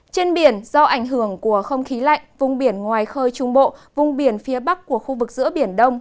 trên biển do ảnh hưởng của không khí lạnh vùng biển ngoài khơi trung bộ vùng biển phía bắc của khu vực giữa biển đông